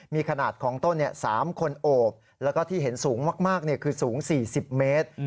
มีขนาดของต้น๓คนโอบแล้วก็ที่เห็นสูงมากคือสูง๔๐เมตร